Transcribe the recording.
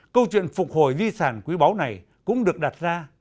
câu chuyện phục hồi di sản quý báu này cũng được đặt ra